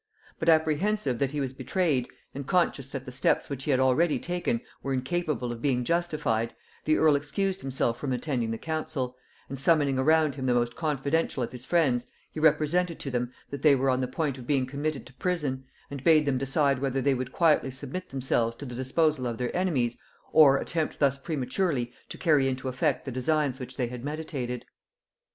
But apprehensive that he was betrayed, and conscious that the steps which he had already taken were incapable of being justified, the earl excused himself from attending the council, and summoning around him the most confidential of his friends, he represented to them that they were on the point of being committed to prison, and bade them decide whether they would quietly submit themselves to the disposal of their enemies, or attempt thus prematurely to carry into effect the designs which they had meditated.